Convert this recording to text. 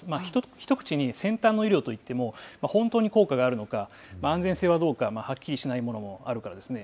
ひと口に先端の医療といっても本当に効果があるのか、安全性はどうか、はっきりしないものもあるからですね。